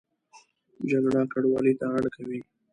جګړه کډوالۍ ته اړ کوي